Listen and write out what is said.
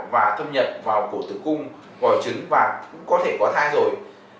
và thâm nhận vào cổ tử cung gỏi trứng và cũng có thể có thai rồi